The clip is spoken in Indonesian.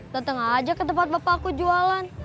datang aja ke tempat bapak aku jualan